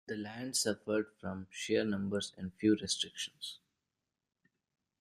The land suffered from sheer numbers and few restrictions.